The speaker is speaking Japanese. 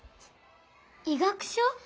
医学書？